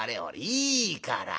いいから。